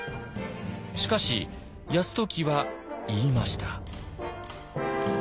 しかし泰時は言いました。